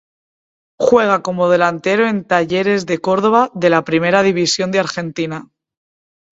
Juega como delantero en Talleres de Córdoba, de la Primera División de Argentina.